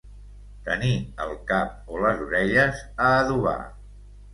Tenir el cap o les orelles a adobar.